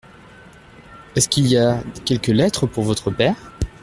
Est-ce qu’il a quelques lettres pour votre père ?